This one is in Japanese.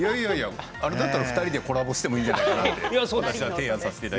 あれだったら２人でコラボしてもいいんじゃないかと。